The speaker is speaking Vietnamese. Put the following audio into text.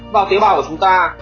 vào tế bào của chúng ta